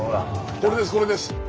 これですこれです。